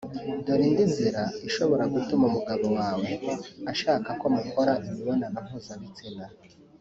Dore indi nzira ishobora gutuma umugabo wawe ashaka ko mukora imibonano mpuzabitsina